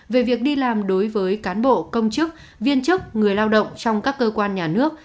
về việc đi làm đối với cán bộ công chức viên chức người lao động trong các cơ quan nhà nước